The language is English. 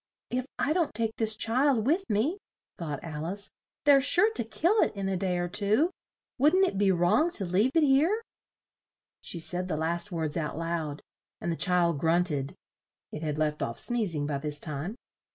"If I don't take this child with me," thought Al ice, "they're sure to kill it in a day or two; wouldn't it be wrong to leave it here?" She said the last words out loud, and the child grunt ed (it had left off sneez ing by this time).